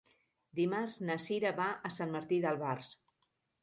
Dimarts na Cira va a Sant Martí d'Albars.